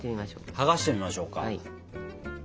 剥がしてみましょうか。